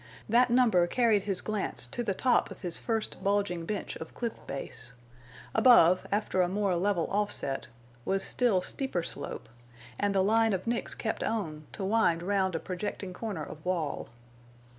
That number carried his glance to the top of his first bulging bench of cliff base. Above, after a more level offset, was still steeper slope, and the line of nicks kept on, to wind round a projecting corner of wall.